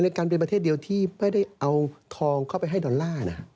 การเป็นประเทศเดียวที่ไม่ได้เอาทองเข้าไปให้ดอลลาร์